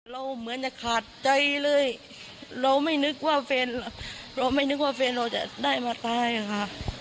เราเหมือนจะขาดใจเลยเราไม่นึกว่าเฟนเราจะได้มาตายค่ะ